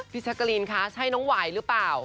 แจ๊กกะรีนคะใช่น้องหวายหรือเปล่า